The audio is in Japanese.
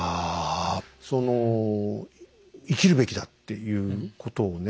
その生きるべきだっていうことをね